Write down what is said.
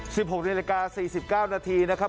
หกนาฬิกาสี่สิบเก้านาทีนะครับ